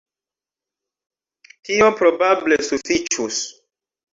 Tio probable sufiĉus.